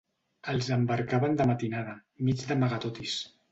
Els embarcaven de matinada, mig d'amagatotis